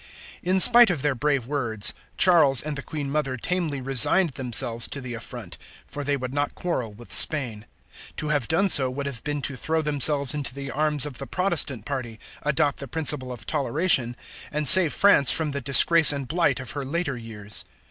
In spite of their brave words, Charles and the Queen Mother tamely resigned themselves to the affront, for they would not quarrel with Spain. To have done so would have been to throw themselves into the arms of the Protestant party, adopt the principle of toleration, and save France from the disgrace and blight of her later years.